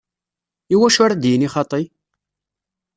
Iwacu ara d-yini xaṭi?